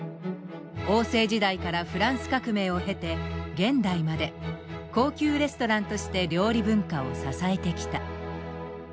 王政時代からフランス革命を経て現代まで高級レストランとして料理文化を支えてきた。